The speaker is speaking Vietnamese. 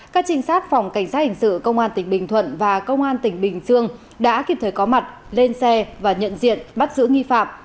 các trinh sát phòng cảnh sát hình sự công an tỉnh bình thuận và công an tỉnh bình dương đã kịp thời có mặt lên xe và nhận diện bắt giữ nghi phạm